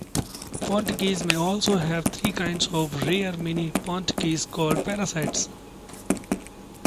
Pontikis may also have three kinds of rare mini pontikis called parasites.